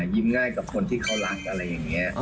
ยิ้มง่ายกับคนที่เขารักอะไรอย่างนี้